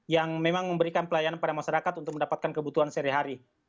yang memang memberikan pelayanan pada masyarakat untuk mendapatkan kebutuhan sehari hari